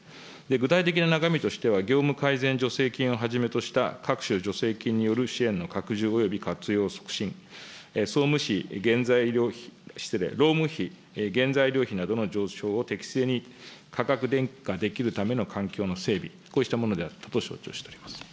具体的な中身としては、業務改善助成金をはじめとした、各種助成金による支援の拡充および拡張促進、労務費、原材料費などの上昇を適正に価格転嫁できるための環境の整備、こうしたものであると承知をしております。